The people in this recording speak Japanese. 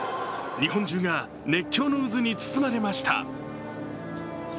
日本中が熱狂の渦に包まれました。